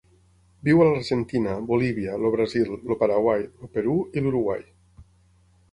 Viu a l'Argentina, Bolívia, el Brasil, el Paraguai, el Perú i l'Uruguai.